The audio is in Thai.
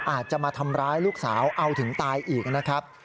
อาจจะมาทำร้ายลูกสาวเอาถึงตายอีกนะครับ